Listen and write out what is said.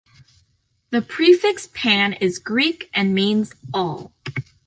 The prefix "pan" is Greek and means "all.